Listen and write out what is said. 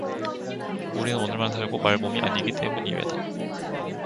우리는 오늘만 살고 말 몸이 아니기 때문이외다.